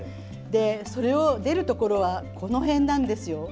それが出るところはこの辺なんです。